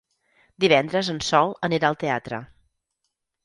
Divendres en Sol anirà al teatre.